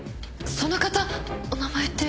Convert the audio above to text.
その方お名前って。